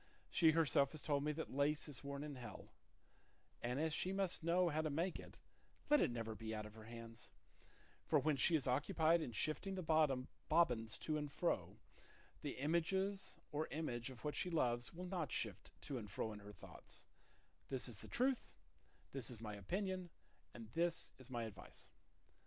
She herself has told me that lace is worn in hell; and as she must know how to make it, let it never be out of her hands; for when she is occupied in shifting the bobbins to and fro, the image or images of what she loves will not shift to and fro in her thoughts; this is the truth, this is my opinion, and this is my advice."